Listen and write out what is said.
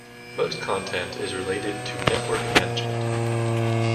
Most content is related to network management.